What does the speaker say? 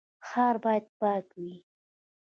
ښار باید پاک وي